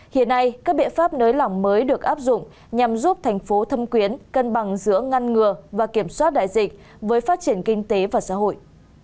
hiện nay các biện pháp nới lỏng mới được áp dụng nhằm giúp thành phố thâm quyến cân bằng giữa ngăn ngừa và kiểm soát đại dịch với phát triển kinh tế và xã hội